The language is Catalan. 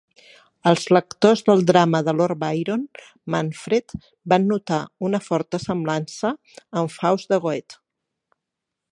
Els lectors del drama de Lord Byron "Manfred" van notar una forta semblança amb "Faust" de Goethe.